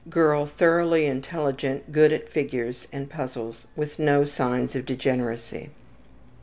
Girl thoroughly intelligent, good at figures and puzzles, with no signs of degeneracy.